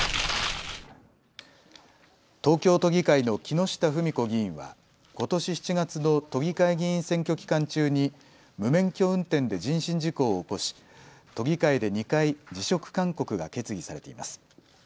東京都議会の木下富美子議員はことし７月の都議会議員選挙期間中に無免許運転で人身事故を起こし都議会で２回、辞職勧告が決議されています。